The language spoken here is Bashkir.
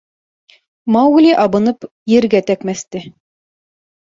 Маугли абынып ергә тәкмәсте.